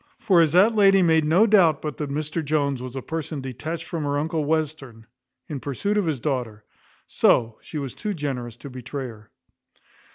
For as that lady made no doubt but that Mr Jones was a person detached from her uncle Western, in pursuit of his daughter, so she was too generous to betray her.